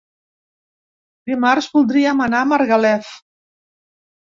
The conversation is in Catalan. Dimarts voldríem anar a Margalef.